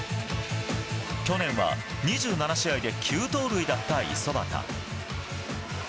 去年は２７試合で９盗塁だった五十幡。